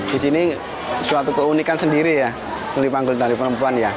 di sini suatu keunikan sendiri ya kulipanggul dari perempuan ya